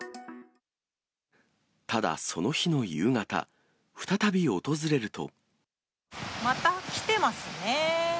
ただ、その日の夕方、再び訪れると。